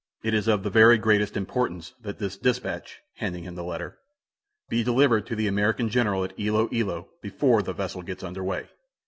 It is of the very greatest importance that this dispatch," handing him the letter, "be delivered to the American general at Ilo Ilo before the vessel gets under way.